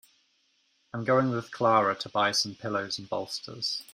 I'm going with Clara to buy some pillows and bolsters.